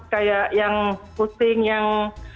seperti yang pusing yang